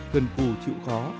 gần phù chịu khó